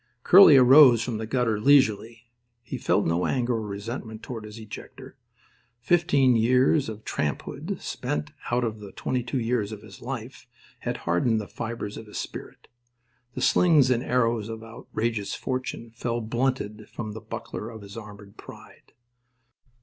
Curly arose from the gutter leisurely. He felt no anger or resentment toward his ejector. Fifteen years of tramphood spent out of the twenty two years of his life had hardened the fibres of his spirit. The slings and arrows of outrageous fortune fell blunted from the buckler of his armoured pride.